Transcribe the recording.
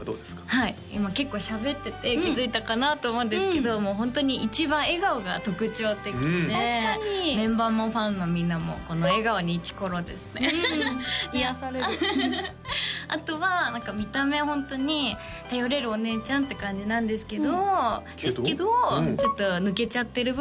はい今結構しゃべってて気づいたかなと思うんですけどホントに一番笑顔が特徴的でメンバーもファンのみんなもこの笑顔にイチコロですねうん癒やされるあとは見た目ホントに頼れるお姉ちゃんって感じなんですけどですけどちょっと抜けちゃってる